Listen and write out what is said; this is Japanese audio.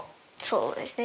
そうですね